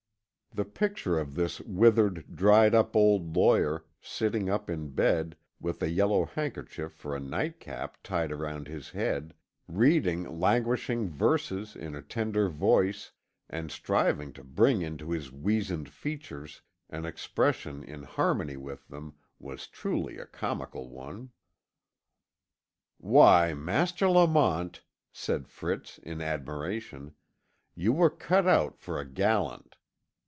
The picture of this withered, dried up old lawyer, sitting up in bed, with a yellow handkerchief for a night cap tied round his head, reading languishing verses in a tender voice, and striving to bring into his weazened features an expression in harmony with them, was truly a comical one. "Why, Master Lamont," said Fritz in admiration, "you were cut out for a gallant.